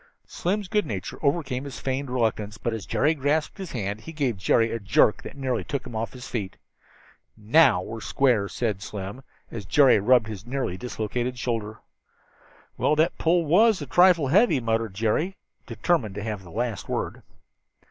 Slim's good nature overcame his feigned reluctance, but as Jerry grasped his hand he gave Jerry a jerk that nearly took him off his feet. "Now we're square," said Slim, as Jerry rubbed his nearly dislocated shoulder. "Well, that pull was a trifle heavy," muttered Jerry, determined to have the last word.